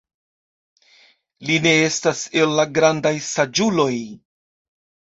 Li ne estas el la grandaj saĝuloj.